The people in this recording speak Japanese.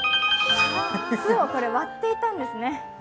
「つ」を割っていたんですね。